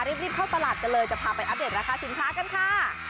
รีบเข้าตลาดกันเลยจะพาไปอัปเดตราคาสินค้ากันค่ะ